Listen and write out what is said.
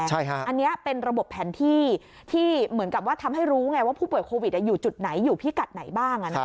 อันนี้เป็นระบบแผนที่ที่เหมือนกับว่าทำให้รู้ไงว่าผู้ป่วยโควิดอยู่จุดไหนอยู่พิกัดไหนบ้าง